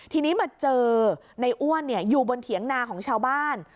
ทีนี้มาเจอในอ้วนอยู่บนเถียงนาของชาวบ้าน